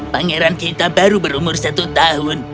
pangeran kita baru berumur satu tahun